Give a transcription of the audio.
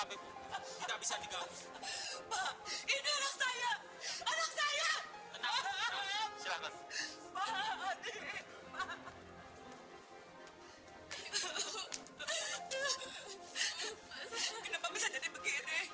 pak udah pak